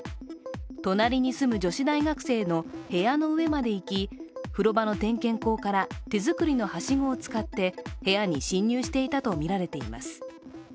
隣に住む女子大学生の部屋の上まで行き風呂場の点検口から手作りのはしごを使って部屋に侵入していたとみられています。